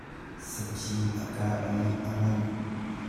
Sakhi a kah i a nganh.